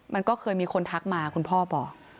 มันก็เคยมีคนทักมาคุณพ่อบอก